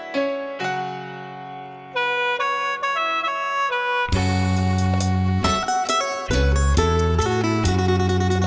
ดินแยกแต่ทะเฮียตนใบ้หมายเฉ้าแหง